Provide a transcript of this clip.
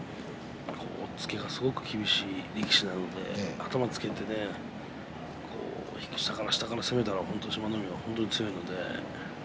押っつけが厳しい力士なので、頭をつけて下から下から攻めたら志摩ノ海本当に強いので。